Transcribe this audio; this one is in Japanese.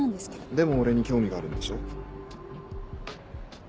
でも俺に興味があるんでしょ？